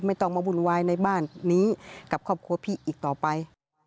ไม่ต้องมาวุ่นวายในบ้านนี้กับครอบครัวพี่อีกต่อไป